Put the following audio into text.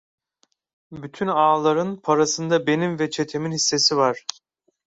Bütün ağaların parasında benim ve çetemin hissesi var.